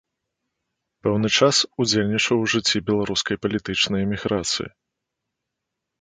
Пэўны час удзельнічаў у жыцці беларускай палітычнай эміграцыі.